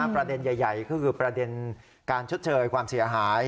ประเด็นใหญ่ก็คือประเด็นการชดเชยความเสียหาย